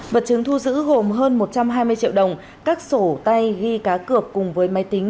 vật chứng thu giữ gồm hơn một trăm hai mươi triệu đồng các sổ tay ghi cá cược cùng với máy tính